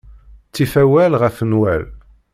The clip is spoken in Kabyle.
Ttif awal ɣef nnwal.